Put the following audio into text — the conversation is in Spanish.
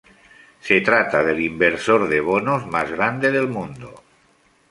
Se trata del inversor de bonos más grande del mundo.